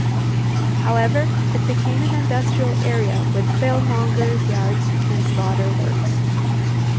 However, it became an industrial area with fellmongers yards and slaughter works.